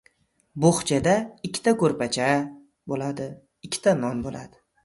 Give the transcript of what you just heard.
bo‘xchada ikkita ko‘rpacha bo‘ladi. Ikkita non bo‘ladi.